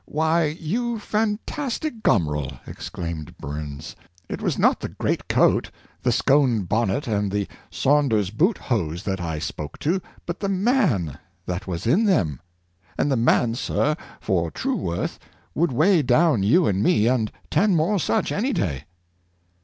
*' Why, you fantastic gomeral !" exclaimed Burns, " it was not the great coat, the scone bonnet, £ind the saunders boot hose that I spoke to, but the man that was in them; and the man, sir, for true worth, would weigh down you and me, and ten more such, any day."